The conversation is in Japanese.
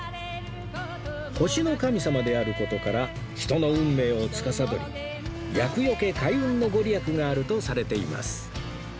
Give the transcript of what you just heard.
星の神様である事から人の運命をつかさどり厄よけ開運のご利益があるとされています